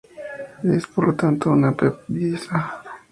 Es, por lo tanto, una peptidasa.